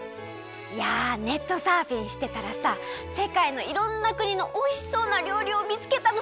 いやネットサーフィンしてたらさせかいのいろんなくにのおいしそうなりょうりをみつけたの。